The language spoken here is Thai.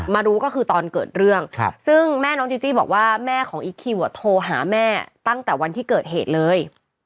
รู้ก็คือตอนเกิดเรื่องซึ่งแม่น้องจีจี้บอกว่าแม่ของอีคคิวโทรหาแม่ตั้งแต่วันที่เกิดเหตุเลย